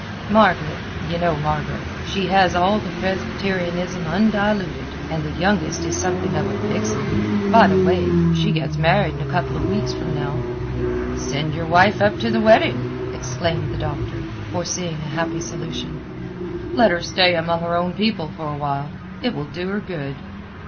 Margaret—you know Margaret—she has all the Presbyterianism undiluted. And the youngest is something of a vixen. By the way, she gets married in a couple of weeks from now." "Send your wife up to the wedding," exclaimed the Doctor, foreseeing a happy solution. "Let her stay among her own people for a while; it will do her good."